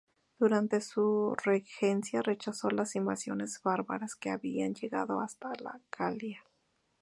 Durante su regencia rechazó las invasiones bárbaras, que habían llegado hasta la Galia.